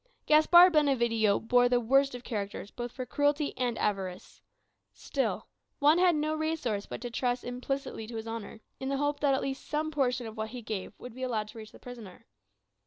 Caspar Benevidio bore the worst of characters, both for cruelty and avarice; still, Juan had no resource but to trust implicitly to his honour, in the hope that at least some portion of what he gave would be allowed to reach the prisoner.